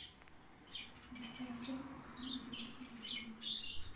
Лісце расліны таксама лічыцца лекавым.